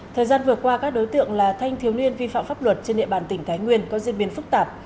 thời gian vừa qua các đối tượng là thanh thiếu niên vi phạm pháp luật trên địa bàn tỉnh thái nguyên có diễn biến phức tạp